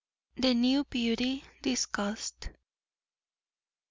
THE NEW BEAUTY DISCUSSED.